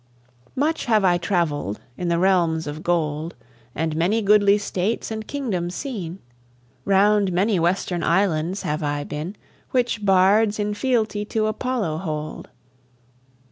Much have I travelled in the realms of gold, And many goodly states and kingdoms seen; Round many western islands have I been Which bards in fealty to Apollo hold.